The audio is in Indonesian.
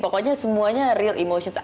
pokoknya semuanya real emotions